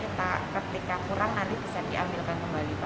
kita ketika kurang nanti bisa diambilkan kembali